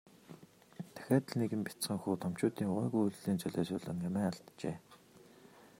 Дахиад л нэгэн бяцхан хүү томчуудын увайгүй үйлдлийн золиос болон амиа алджээ.